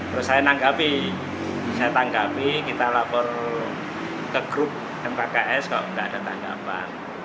terus saya tanggapi kita lapor ke grup mkks kalau nggak ada tanggapan